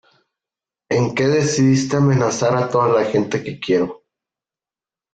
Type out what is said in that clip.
en que decidiste amenazar a toda la gente que quiero.